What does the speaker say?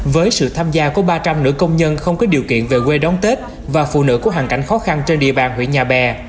với sự tham gia của ba trăm linh nữ công nhân không có điều kiện về quê đóng tết và phụ nữ có hoàn cảnh khó khăn trên địa bàn huyện nhà bè